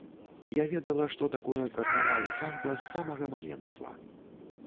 Я ведала, што такое карнавал і самба з самага маленства.